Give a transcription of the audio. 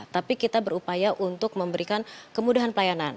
tapi kita berupaya untuk memberikan kemudahan pelayanan